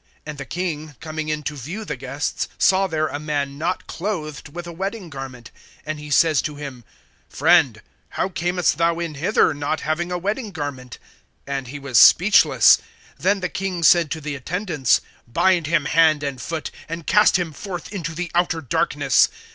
(11)And the king, coming in to view the guests, saw there a man not clothed with a wedding garment; (12)and he says to him: Friend, how camest thou in hither, not having a wedding garment? And he was speechless. (13)Then the king said to the attendants: Bind him hand and foot, and cast him forth into the outer darkness.